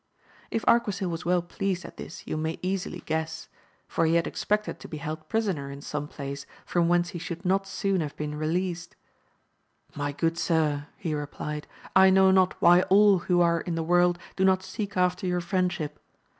If Arquisil was well please<l at this, you may easily guess, for he had expected to be held prisoner in some place from whence he should not soon have been released. My good sir, he replied, I know not why all who are in the worid do not seek after your friendship